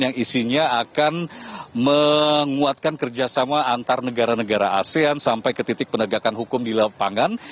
yang isinya akan menguatkan kerjasama antar negara negara asean sampai ke titik penegakan hukum di lapangan